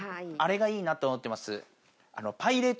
あれがいいなと思ってます。